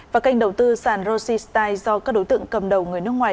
và kênh đầu tư sàn rossi style do các đối tượng cầm đầu người nước ngoài